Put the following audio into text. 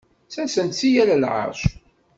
Ttasen-d si yal lɛeṛc.